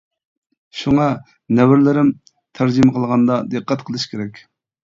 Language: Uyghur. شۇڭا نەۋرىلىرىم، تەرجىمە قىلغاندا دىققەت قىلىش كېرەك.